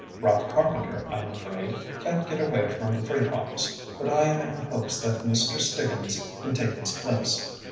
Ralph Carpenter, I'm afraid, can't get away from the freight office, but I am in hopes that Mr. Stiggins can take his place.